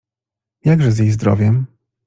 — Jakże z jej zdrowiem?